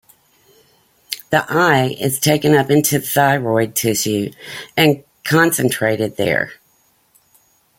The I is taken up into thyroid tissue and concentrated there.